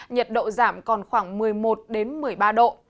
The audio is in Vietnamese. nhiệt độ giảm còn khoảng một mươi một một mươi ba độ